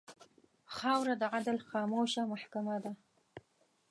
خاوره د عدل خاموشه محکمـه ده.